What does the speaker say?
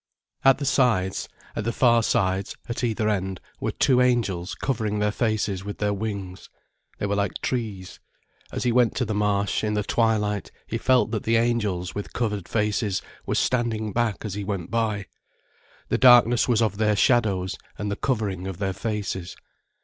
At the sides, at the far sides, at either end, were two Angels covering their faces with their wings. They were like trees. As he went to the Marsh, in the twilight, he felt that the Angels, with covered faces, were standing back as he went by. The darkness was of their shadows and the covering of their faces.